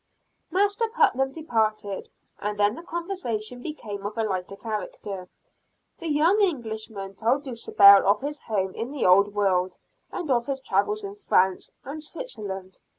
Master Putnam departed, and then the conversation became of a lighter character. The young Englishman told Dulcibel of his home in the old world, and of his travels in France and Switzerland.